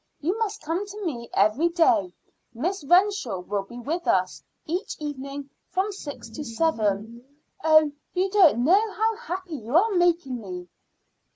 You must come to me every day; Miss Renshaw will be with us each evening from six to seven. Oh! you don't know how happy you are making me."